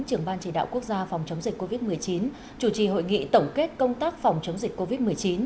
trưởng ban chỉ đạo quốc gia phòng chống dịch covid một mươi chín